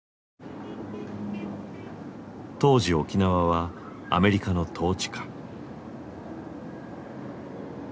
当時沖縄はアメリカの統治下。